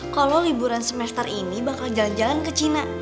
kalau liburan semester ini bakal jalan jalan ke cina